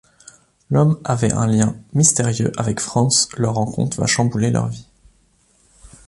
L'homme avait un lien mystérieux avec Frantz, leur rencontre va chambouler leur vie.